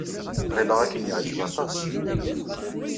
Ɣileɣ ad kem-yeɛjeb aṭas.